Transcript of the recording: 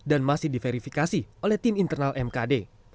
dan masih diverifikasi oleh tim internal mkd